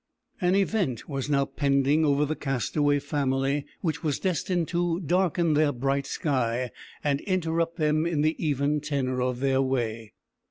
An event was now pending over the castaway family which was destined to darken their bright sky, and interrupt them in the even tenor of their way.